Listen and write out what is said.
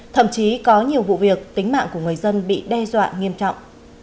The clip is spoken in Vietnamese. thậm chí có nhiều vụ việc tính mạng của người dân bị đe dọa nghiêm trọng